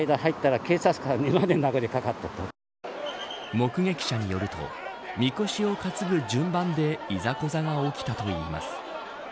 目撃者によるとみこしを担ぐ順番でいざこざが起きたといいます。